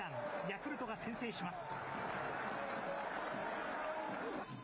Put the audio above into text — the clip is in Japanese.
ヤクルトが先制します。